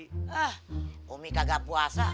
ah umi kagak puasa